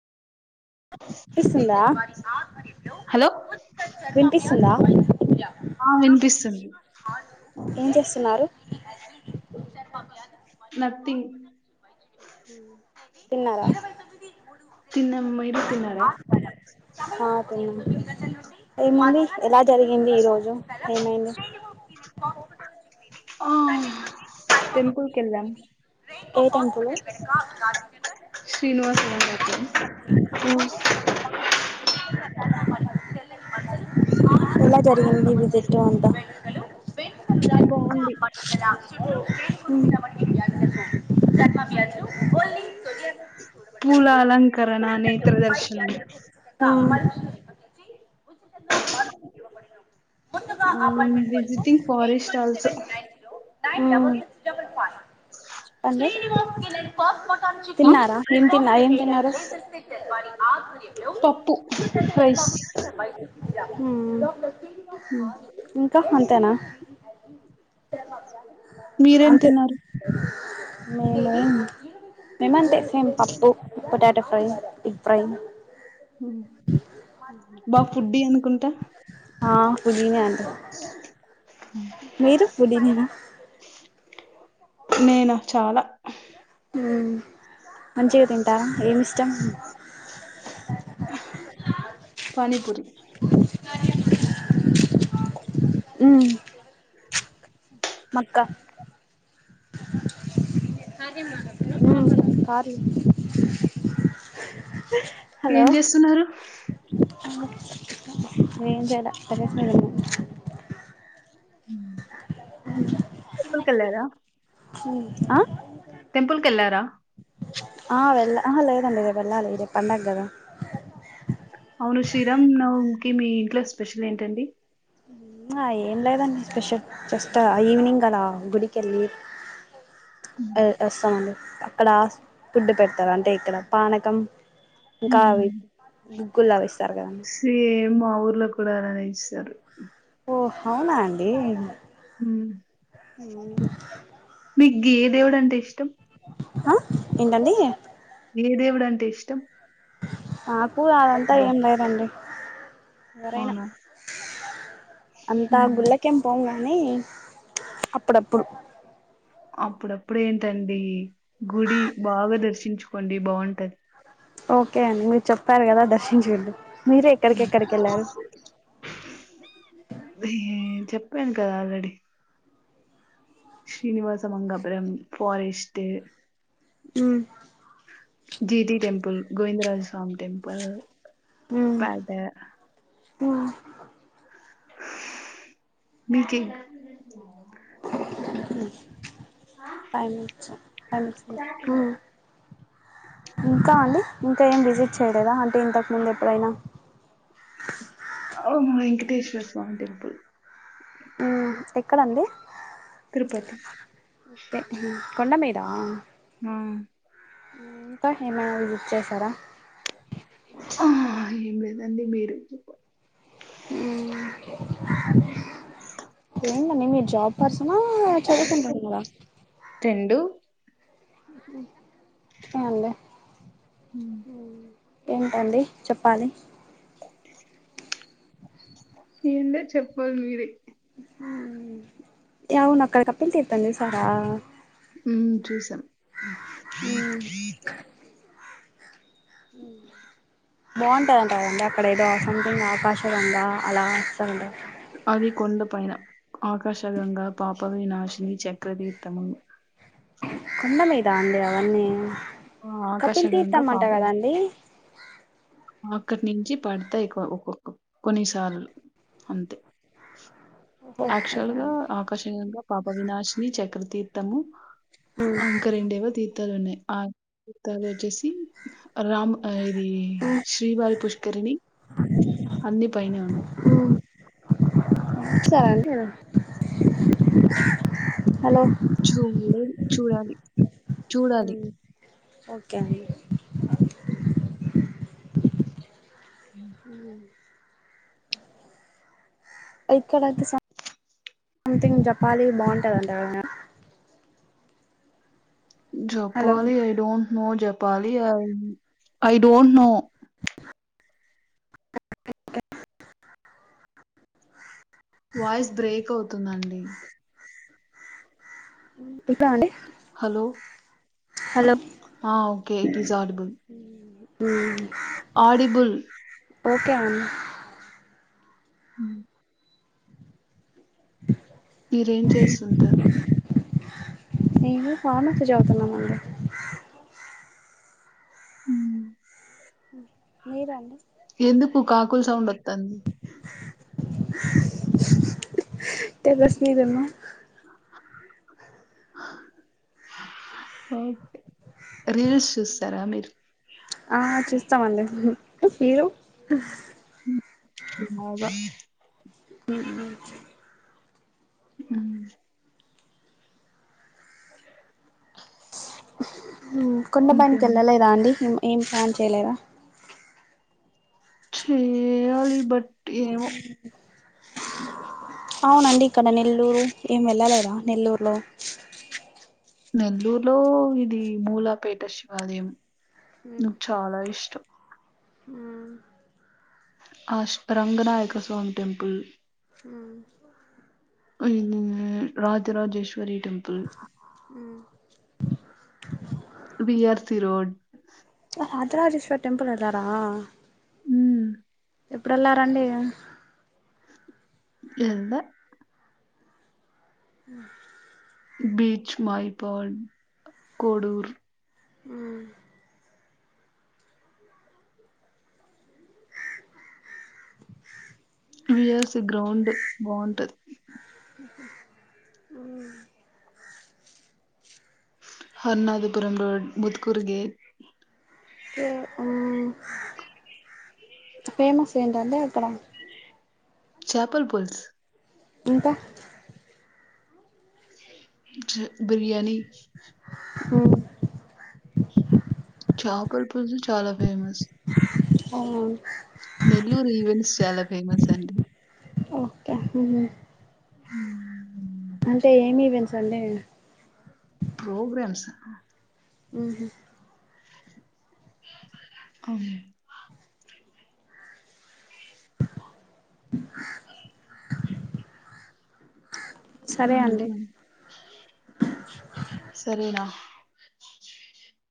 Hello వినిపిస్తుంద వినిపిస్తుంద ఆ వినిపిస్తుంది ఏం చేస్తున్నారు నథింగ్ తిన్నారా తిన్నం మీరు తిన్నారా ఆ ఏముంది ఎలా జరిగింది ఈ రోజు ఏమైంది ఆ టెంపుల్ కెళ్ళాం ఏ టెంపుల్ ఆ శ్రీనివాస టెంపుల్ క ఎలా జరిగింది విసిట్ అంత బాగుంది ఉమ్ బ త పూల అలంకరణ నేత్రదర్శనం అవును విజిటింగ్ ఫారెస్ట్ ఆల్సో ఉమ్ అంటే తిన్నారా ఎం తిన్నా ఏం తిన్నారు పప్పు గర్మా రైస్ ఆ ఇంకా అంతేనా హ స మా మీరేం తిన్నారు మేము మేమంతే మేం పప్పు potato fry egg fry ఉమ్ బాగా ఫుడ్డీ అనుకుంటా ఆ పుదీనా అండి మీరు ఫుడ్డీ నేనా నేను చాలా మంచిగ తింటారా ఏమి ఇష్టం పాని పూరి ఉమ్ మక్క కార్లో హలో ఏం చేస్తున్నారు ఏం చేయలే టెర్రెస్ మీదున్న ఉమ్ టెంపుల్కెల్లారా ఆ టెంపుల్కెళ్ళారా ఆ వెళ్ళ అహ లేదండి ఇగ వెళ్ళాలి రేపు పండగ కదా అవును శ్రీరామనవమికి మీ ఇంట్లో స్పెషల్ ఏంటండి ఏం లేదండి స్పెషల్ జస్ట్ ఈవినింగ్ అలా గుడికెళ్ళి వస్తామండి అక్కడ ఫుడ్డు పెడతారు అంటే ఇక్కడ పానకం ఇంకా ఉమ్ అవి గుగ్గులు అవి ఇస్తారు కదండి సేమ్ మా ఊర్లో కూడా అలానే ఇస్తారు ఓ అవునా అండి హ ఏమో అండి మీకు ఏ దేవుడంటే ఇష్టం ఆ ఏంటండి ఏ దేవుడంటే ఇష్టం నాకు అదంతా ఏం లేదండి ఎవరైనా అవునా అంతా మ్మ్ గుల్లకేం పోంగా కాని అప్పుడప్పుడు అప్పుడప్పుడు ఏంటండి గుడి బాగా దర్శించుకోండి బాగుంటది ఓకే అండి మీరు చెప్పారు కదా దర్శించుకుంటాం ఉమ్. మీరేక్కడికెక్కడికెల్లారు ఏ- చెప్పాను కదా ఆల్రెడీ శ్రీనివాస మంగపురం ఫారెస్ట్ మ్ జీటి టెంపల్ గోవిందరాజ్ స్మి టెంపల్ పడ్ ఆ మీకే ఫైవ్ మినిట్స్ ఫైవ్ మినిట్స్ ఆ ఇంకా అండి ఇంకా ఏం విజిట్ చేయలేదా అంటే ఇంతకుముందు ఎప్పుడైనా ఆ వెంకటేశ్వర స్వామి టెంపుల్ ఉమ్ ఎక్కడండి తిరుపతి ే కొండ మీదా ఆ ఇంకా ఏమైనా విజిట్ చేశారా ఆ ఏం లేదండి మీరే చెప్పాలి హ్మ్ ఏంటండి మీరు జాబ్ పర్సిన చదువుకుంటున్నార రెండు ఏండి ఏంటండి చెప్ ప్పలి ఓకే ఏంటో చెప్పాలి మీరే హుమ్మ్ ఏవండీ అక్కడ కప్పిల్ తీర్తం చుసార మ్మ చూసాం మ్ మ్ బాగుంటాయంట కదండి అక్కడ ఏదో సంథింగ్ ఆకాశగంగ అలా చేసారంట గా అది కొండ పైన ఆకాశగంగా పాప వినాశిని చెక్ ప్రదీర్తమును కొండ మీదా అండి అవన్నీ కపిల్ ఆకాశగంగా తీర్థమ్మంటా పాప కదాండి అక్కడి నుంచి పడతాయి ఆ ఒ కొన్నిసార్లు అంతే ఓహో యాక్చువల్ ఓకే గా అండి ఆకాశగంగా పాప వినాశిని చక్రతీర్థము ఇంకా రెండేవో తీర్థాలు ఉన్నాయి ఆ తీర్థాలు వచ్చేసి రామ్ ఆ ఇది శ్రీవారి పుష్కరిణి అన్ని పైనే ఉన్నాయి చూసారా అండి మీరు చూలెదు చూడాలి చూడాలి ఓకే అండి హ్మ్మ్ ఇక్కడైతే సం సంమ్థింగ్ జపాలీ బాగుంటదంట కదా మే జప్పాలి ఐ డోంట్ నో జప్ పాలి I I don't know voice break అవుతుందండి ఇప్పడా అండి hello hello a okay it is audible hmm audible okay um hmm మీరేం చేస్తుంటారు నేను ఫార్మసీ చదవతున్నానండి హ్మ్మ్ మీరు అండి ఎందుకు కాకుల సౌండ్ ఒతాంది టేరేస్ మీద ఉన్నా హో రీల్స్ చూస్తారా మీరు ఆ చూస్తామండి మీరు బాగా హ్మ్మ్ హు హ్మ్ కొండ పైకి ఇంకేమి వెళ్ళలేదా అండి ఏం ప్లాన్ చేయలేదా చేయాలి బట్ ఏమో అవునండి ఇక్కడ నెల్లూరు ఏం వెళ్ళాలేరా నెల్లూరులో నెల్లూరులో ఇది మూలాపేట శివాలయం నాకు చాలా ఇష్టం ఆ ఆ స్పరాంగనాయక స్వామి టెంపుల్ హ్మ్మ్ హ్మ్మ్ Rajarajeshwari temple BRC road Rajarajeshwari temple వెళ్ళారా మ్మ్. ఎప్పుడు వెళ్లారండి ఎల్లా బీచ్ మయపాడ్ కోడూర్ హుం విఆర్సి గ్రౌండ్ బాగుంటది హ్మ్ హరునాథపురం రోడ్ ముత్కూర్ గే ఫేమస్ ఏంటండీ అక్కడ చాపల్ పుల్స్ ఇంకా బిర్యానీ హొ చాపల పల్స్ చాలా ఫేమస్ హొ నెల్లూరు ఈవెంట్స్ చాలా ఫేమస్ అండి ఓకే అంటే ఏమి ఈవెంట్స్ అండి ప్రోగ్రామ్స్ హ్మ్ అవును సరే అండి సరేనా